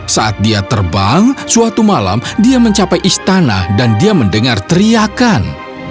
saat dia terbang suatu malam dia mencapai istana dan dia mendengar teriakan